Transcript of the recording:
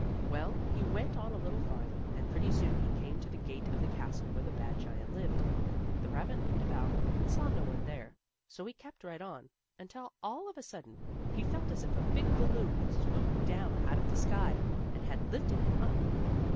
Well, he went on a little farther, and pretty soon he came to the gate of the castle where the bad giant lived. The rabbit looked about, and saw no one there, so he kept right on, until, all of a sudden, he felt as if a big balloon had swooped down out of the sky, and had lifted him up.